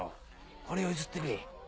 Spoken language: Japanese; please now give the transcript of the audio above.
これを譲ってくれ。